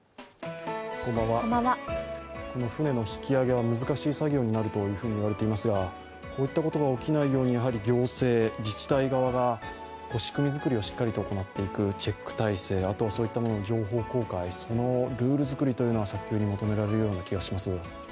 この船の引き上げは難しい作業になると言われていますが、こういったことが起きないように行政・自治体側が仕組み作りをしっかりと行っていくチェック体制、あとはそういったものの情報公開、そのルール作りは早急に求められるような気がします。